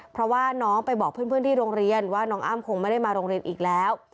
เพราะว่าน้องไปบอกเพื่อนที่โรงเรียนว่าน้องอ้ำคงไม่ได้มาโรงเรียนอีกแล้ว